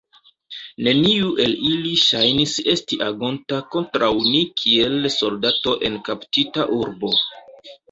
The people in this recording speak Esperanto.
Neniu el ili ŝajnis esti agonta kontraŭ ni kiel soldato en kaptita urbo.